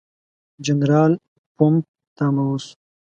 جنرال پوفم ته امر وشو.